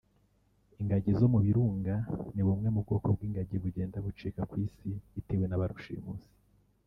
ingagi zo mu birunga ni bumwe mu bwoko bw’ingagi bugenda bucika ku isi bitewe na ba rushimusi